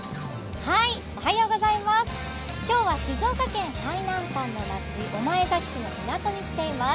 今日は静岡県最南端の町、御前崎市に来ています。